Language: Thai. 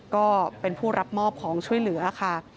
ก็เป็นผู้รับมอบของช่วยเหลือค่ะ